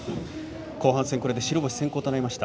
後半戦、これで白星先行となりました。